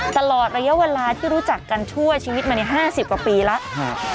ตลอดระยะเวลาที่รู้จักกันชั่วชีวิตมาใน๕๐กว่าปีแล้ว